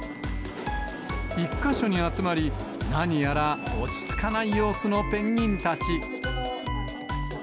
１か所に集まり、何やら落ち着かない様子のペンギンたち。